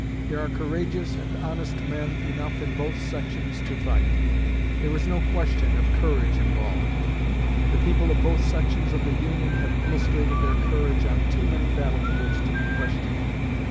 There are courageous and honest men enough in both sections to fight. There is no question of courage involved. The people of both sections of the Union have illustrated their courage on too many battlefields to be questioned.